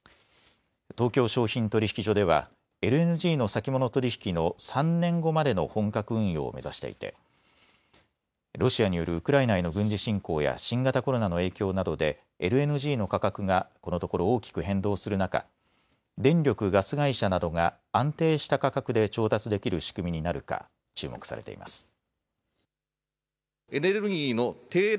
東京商品取引所ではＬＮＧの先物取引の３年後までの本格運用を目指していてロシアによるウクライナへの軍事侵攻や新型コロナの影響などでＬＮＧの価格が、このところ大きく変動する中、電力・ガス会社などが安定した価格で調達できる仕組みになるか注目されています。